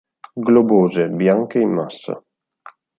Globose, bianche in massa.